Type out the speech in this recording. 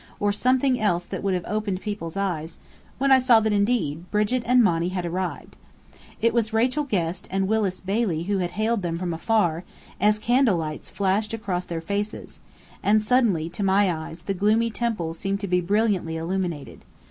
or something else that would have opened people's eyes, when I saw that indeed, Brigit and Monny had arrived. It was Rachel Guest and Willis Bailey who had hailed them from afar, as candlelights flashed across their faces; and suddenly to my eyes the gloomy temple seemed to be brilliantly illuminated.